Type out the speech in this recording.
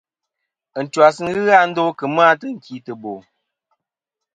Ɨntwas nɨn ghɨ a ndo kemɨ a tɨnkìtɨbo.